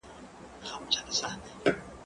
زه اوږده وخت کتابتون ته راځم وم!.